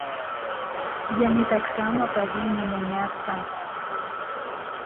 Яны таксама павінны мяняцца!